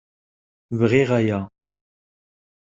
Bɣiɣ aya.